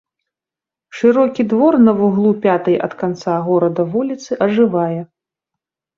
Шырокі двор на вуглу пятай ад канца горада вуліцы ажывае.